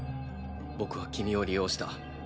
僕は君を利用した。